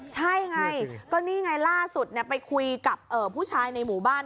ใช่ไงก็นี่ไงล่าสุดไปคุยกับผู้ชายในหมู่บ้าน